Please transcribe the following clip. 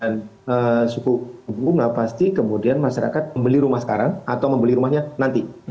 suku bunga pasti kemudian masyarakat membeli rumah sekarang atau membeli rumahnya nanti